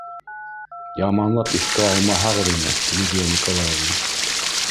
- Яманлап иҫкә алмаһағыҙ ине, Лидия Николаевна.